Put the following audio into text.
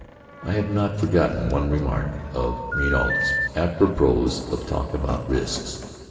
I have not forgotten one remark of Ménault's apropos of talk about risks.